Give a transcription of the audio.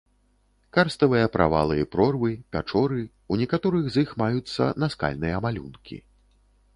Карставыя правалы і прорвы, пячоры, у некаторых з іх маюцца наскальныя малюнкі.